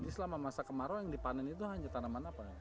selama masa kemarau yang dipanen itu hanya tanaman apa